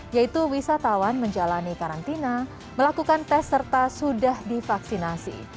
yaitu wisatawan menjalani karantina melakukan tes serta sudah divaksinasi